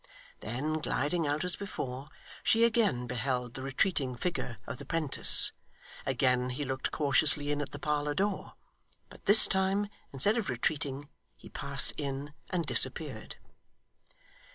Then gliding out as before, she again beheld the retreating figure of the 'prentice; again he looked cautiously in at the parlour door, but this time instead of retreating, he passed in and disappeared.